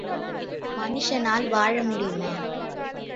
மனுஷனால் வாழ முடியுமா?